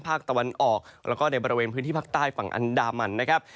ภาคตะวันออกแล้วก็ในบริเวณพื้นที่ภาคใต้ฝั่งอันดามันนะครับ